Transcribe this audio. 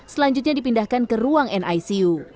selanjutnya dipindahkan ke ruang nicu